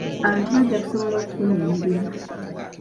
Abantu bajja kusobola okufuna emirimu.